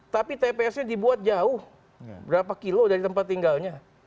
tapi tps nya dibuat jauh berapa kilo dari tempat tinggalnya